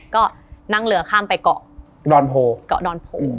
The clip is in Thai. ก็นั่งเรือข้ามไปเกาะดอนโพ